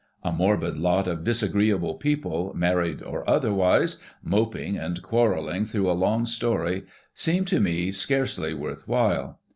A morbid lot of disagreeable people, married or otherwise, moping and quarreling through a long story seem to me scarcely worth while.